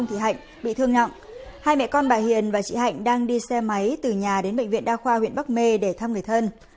hai mẹ con bà hiền và chị hạnh đang đi xe máy từ nhà đến bệnh viện đa khoa huyện bắc mê để thăm người thân